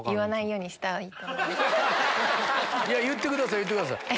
いや言ってください言ってください。